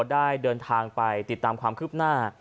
ได้เดินทางไปติดตามความคืบหน้า